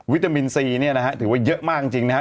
ตามินซีเนี่ยนะฮะถือว่าเยอะมากจริงนะครับ